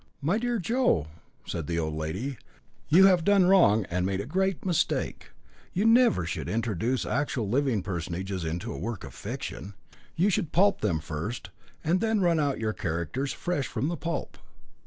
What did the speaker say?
"My dear Joe," said the old lady, "you have done wrong and made a great mistake. You never should introduce actual living personages into a work of fiction. You should pulp them first, and then run out your characters fresh from the pulp."